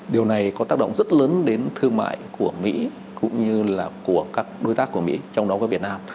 điều này có tác động rất lớn đến thương mại của mỹ cũng như là của các đối tác của mỹ trong đó có việt nam